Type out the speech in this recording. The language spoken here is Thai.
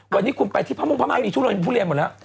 วันนี้คุณไปที่พระมุ่งพม่ามีทุเรียนทุเรียนหมดแล้ว